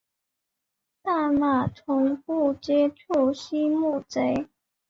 但马从不接触溪木贼。